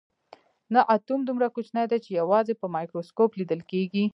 نه اتوم دومره کوچنی دی چې یوازې په مایکروسکوپ لیدل کیږي